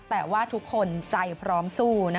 แต่ว่าทุกคนใจพร้อมสู้